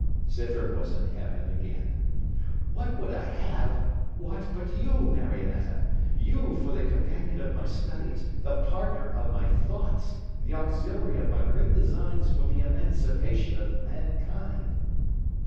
Scythrop was in heaven again. 'What would I have? What but you, Marionetta? You, for the companion of my studies, the partner of my thoughts, the auxiliary of my great designs for the emancipation of mankind.'